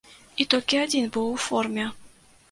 І толькі адзін быў у форме.